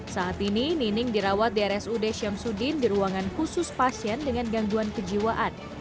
saat ini nining dirawat di rsud syamsuddin di ruangan khusus pasien dengan gangguan kejiwaan